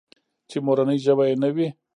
چې مورنۍ ژبه يې نه وي.